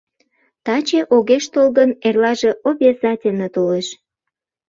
Таче огеш тол гын, эрлаже обязательно толеш.